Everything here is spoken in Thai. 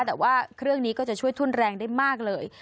แต่ว่าเครื่องนี้ก็จะช่วยทุ่นแรงได้มากเลย